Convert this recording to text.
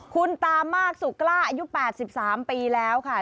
คุณตามากสุกล้าอายุ๘๓ปีแล้วค่ะ